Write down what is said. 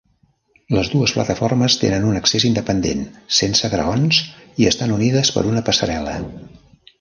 Les dues plataformes tenen un accés independent sense graons i estan unides per una passarel·la.